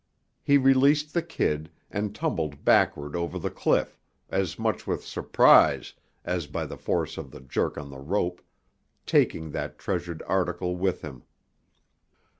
He released the kid, and tumbled backward over the cliff, as much with surprise as by the force of the jerk on the rope, taking that treasured article with him.